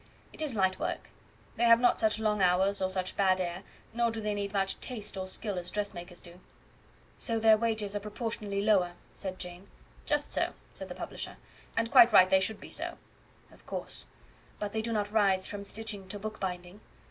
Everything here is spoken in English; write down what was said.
"It is light work; they have not such long hours or such bad air, nor do they need much taste or skill as dressmakers do." "So their wages are proportionally lower," said Jane. "Just so," said the publisher; "and quite right they should be so." "Of course; but do they not rise from stitching to bookbinding?"